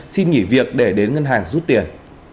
xin nghỉ việc để đến ngân hàng rút tiền